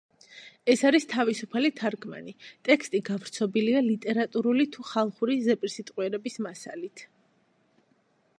ეს არის თავისუფალი თარგმანი, ტექსტი გავრცობილია ლიტერატურული თუ ხალხური ზეპირსიტყვიერების მასალით.